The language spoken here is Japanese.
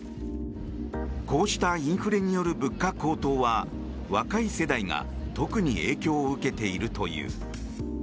こうしたインフレによる物価高騰は若い世代が特に影響を受けているという。